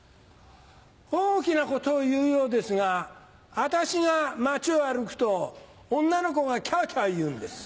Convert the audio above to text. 大きなことを言うようですが私が街を歩くと女の子がキャキャ言うんです。